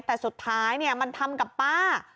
แต่สุดท้ายมันทำกับป้า